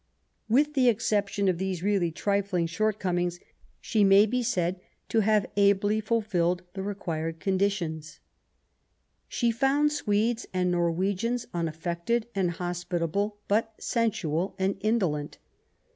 With the exception of these really trifling shortcomings, she may be said to have ably fulfilled the required <;onditions. She found Swedes and Norwegians unaffected and hospitable, but sensual and indolent.